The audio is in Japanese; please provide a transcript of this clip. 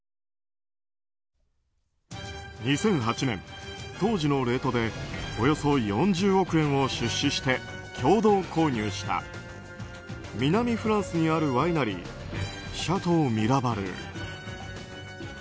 ２００８年、当時のレートでおよそ４０億円を出資して共同購入した南フランスにあるワイナリーシャトー・ミラバル。